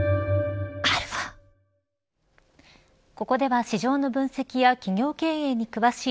ここでは市場の分析や企業経営に詳しい